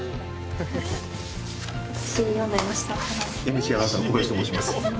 ＮＨＫアナウンサーの小林と申します。